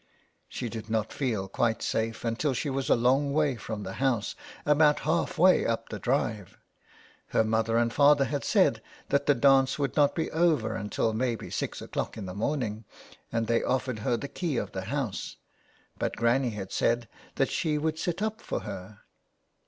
She did not feel quite safe until she was a long way from the house, about halfway up the drive. Her mother and father had said that the dance would not be over until maybe six o'clock in the morning, and they offered her the key of the house ; but Granny had said that she would sit up for her.